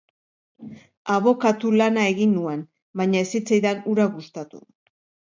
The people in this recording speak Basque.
Abokatu lana egin nuen, baina ez zitzaidan hura gustatu.